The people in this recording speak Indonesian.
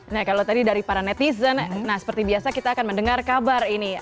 nah kalau tadi dari para netizen nah seperti biasa kita akan mendengar kabar ini